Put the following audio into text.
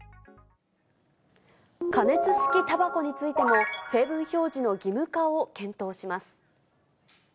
加熱式たばこについても、成分表示の義務化を検討します。